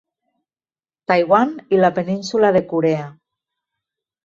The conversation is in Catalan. Taiwan i la península de Corea.